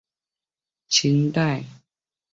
李惠堂故居的历史年代为清代。